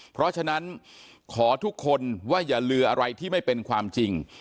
เพราะฉะนั้นขอทุกคนว่าอย่าลืออะไรที่ไม่เป็นความจริง